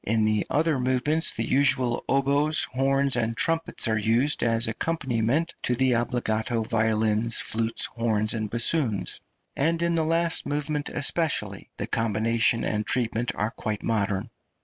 In the other movements the usual oboes, horns, and trumpets are used as accompaniment to the obbligato violins, flutes, horns, and bassoons, and in the last movement especially the combination and treatment are quite modern.